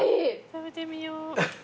食べてみよう。